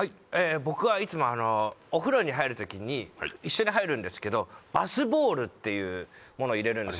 僕はいつもお風呂に入る時に一緒に入るんですけどバスボールっていうものを入れるんです